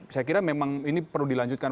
saya kira memang ini perlu dilanjutkan